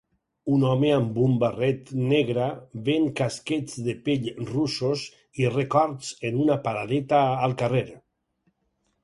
Un home amb un barret negra ven casquets de pell russos i records en una paradeta al carrer.